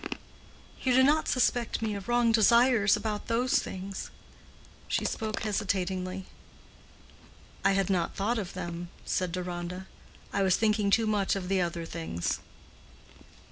You do not suspect me of wrong desires about those things?" She spoke hesitatingly. "I had not thought of them," said Deronda; "I was thinking too much of the other things."